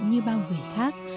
như bao người khác